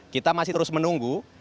kita masih terus menunggu